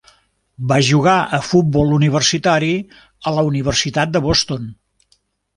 Va jugar a futbol universitari a la Universitat de Boston.